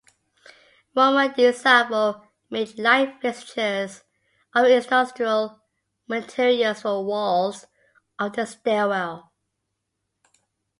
Roman De Salvo made light fixtures of industrial materials for walls of the stairwell.